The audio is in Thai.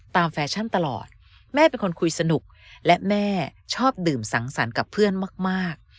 แฟชั่นตลอดแม่เป็นคนคุยสนุกและแม่ชอบดื่มสังสรรค์กับเพื่อนมาก